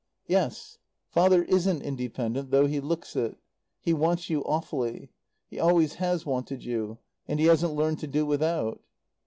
"Yes. Father isn't independent though he looks it. He wants you awfully. He always has wanted you. And he hasn't learned to do without."